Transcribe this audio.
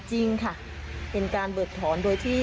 จริงค่ะเป็นการเบิกถอนโดยที่